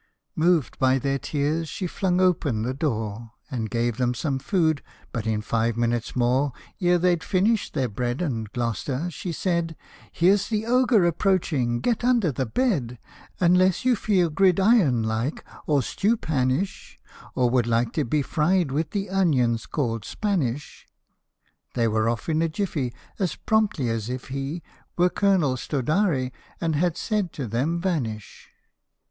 '' Moved by their tears, she flung open the door, And gave them some food ; but in five minutes more, Ere they'd finished their bread And Gloster, she said, " Here 's the Ogre approaching get under the bed ! Unless you feel gridiron like or stewpan ish, Or would like to be fried with the onions called Spanish !'' They were off in a jiffy, As promptly as if he Were Colonel Stodare and had said to them, " Vanish